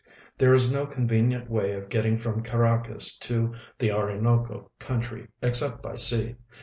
There is no convenient Avay of getting from Caracas to the Orinoco country exce})t by sea.